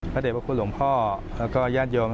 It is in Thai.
เด็จพระคุณหลวงพ่อแล้วก็ญาติโยม